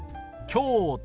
京都。